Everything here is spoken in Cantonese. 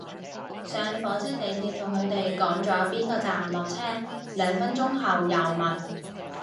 上火車地鐵同佢哋講咗邊個站落車，兩分鐘後又問